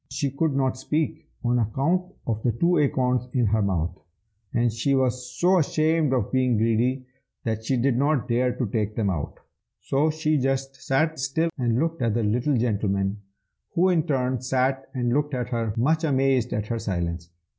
She could not speak, on account of the two acorns in her mouth; and she was so ashamed of being greedy, that she did not dare to take them out. So she just sat still and looked at the little gentleman, who in turn sat and looked at her, much amazed at her silence.